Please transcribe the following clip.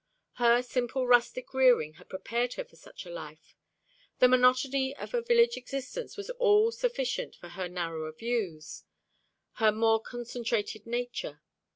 Her simple rustic rearing had prepared her for such a life. The monotony of a village existence was all sufficient for her narrower views, her more concentrated nature.